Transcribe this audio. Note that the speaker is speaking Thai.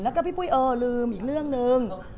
แล้วก็พี่ปุ้ยเออลืมอีกเรื่องนึง